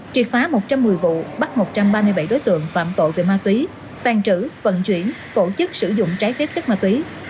triệt phá một trăm một mươi vụ bắt một trăm ba mươi bảy đối tượng phạm tội về ma túy tàn trữ vận chuyển tổ chức sử dụng trái phép chất ma túy